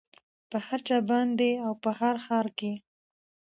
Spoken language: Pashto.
په هر چا باندې او په هر ښار کې